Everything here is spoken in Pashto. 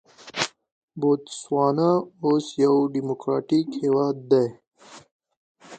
بوتسوانا اوس یو ډیموکراټیک هېواد دی.